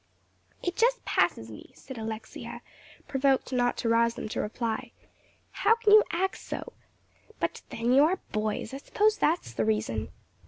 "It just passes me," said Alexia, provoked not to rouse them to reply, "how you can act so. But then, you are boys. I suppose that's the reason."